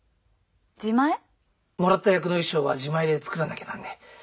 もらった役の衣装は自前で作らなきゃなんねえ。